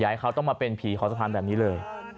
ให้เขาต้องมาเป็นผีขอสะพานแบบนี้เลย